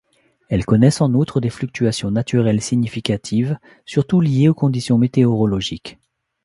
Elles connaissent en outre des fluctuations naturelles significatives, surtout liées aux conditions météorologiques.